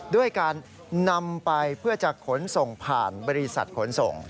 ด้วยการนำไปเพื่อจะขนส่งผ่านบริษัทขนส่ง